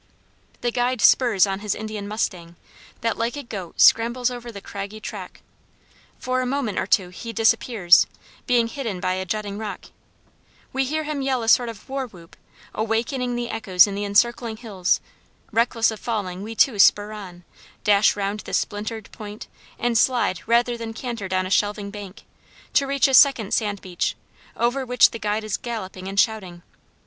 The guide spurs on his Indian mustang, that like a goat scrambles over the craggy track; for a moment or two he disappears, being hidden by a jutting rock; we hear him yell a sort of 'war whoop,' awakening the echoes in the encircling hills; reckless of falling, we too spur on, dash round the splintered point, and slide rather than canter down a shelving bank, to reach a second sand beach, over which the guide is galloping and shouting.